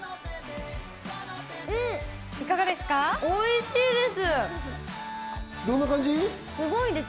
おいしいです。